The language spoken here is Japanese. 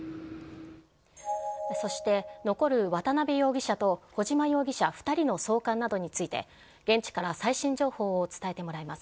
そして、残る渡辺容疑者と小島容疑者２人の送還などについて、現地から最新情報を伝えてもらいます。